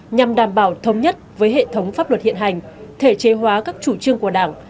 nhằm đảm bảo thống nhất với hệ thống pháp luật hiện hành thể chế hóa các chủ trương của đảng